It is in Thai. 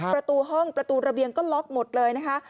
ประตูห้องประตูระเบียงก็ล็อกหมดเลยนะคะ